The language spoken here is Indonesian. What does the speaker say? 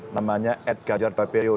namanya edgajar papirio